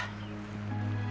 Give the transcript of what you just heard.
dia mencari saya